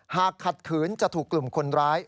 หากขัดขืนจะถูกกลุ่มคนร้าย